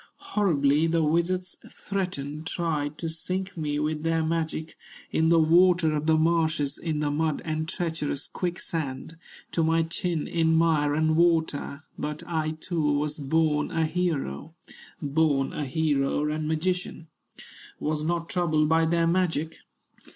"Horribly the wizards threatened, Tried to sink me with their magic, In the water of the marshes, In the mud and treacherous quicksand, To my chin in mire and water; But I too was born a hero, Born a hero and magician, Was not troubled by their magic.